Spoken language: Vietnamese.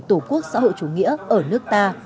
tổ quốc xã hội chủ nghĩa ở nước ta